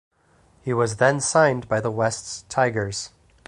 He was then signed by the Wests Tigers.